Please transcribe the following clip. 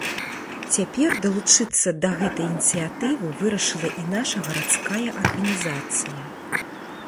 Цяпер далучыцца да гэтай ініцыятывы вырашыла і наша гарадская арганізацыя.